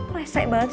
resek banget sih